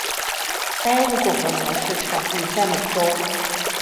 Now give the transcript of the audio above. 该物种的模式产地在美洲。